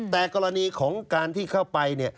แต่กรณีของการที่เข้าไปเนี่ย